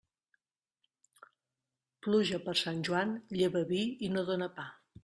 Pluja per Sant Joan, lleva vi i no dóna pa.